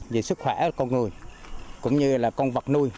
về sức khỏe con người cũng như là con vật nuôi